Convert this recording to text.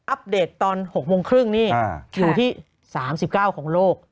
อัปเดตตอน๖โมงครึ่งนี่อยู่ที่๓๙ของโลก